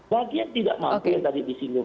bagian tiga maupun yang tadi disinggung